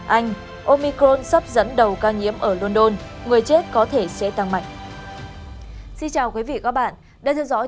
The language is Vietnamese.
anh omicron sắp dẫn đầu ca nhiễm ở london người chết có thể sẽ tăng mạnh